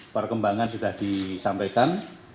perkembangan sudah disampaikan